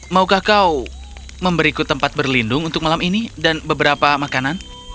maukah kau memberiku tempat berlindung untuk malam ini dan beberapa makanan